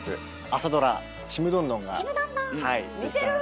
朝ドラ「ちむどんどん」が。